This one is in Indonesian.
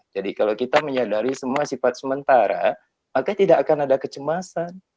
jadi kalau kita menyadari semua sifat sementara maka tidak akan ada kecemasan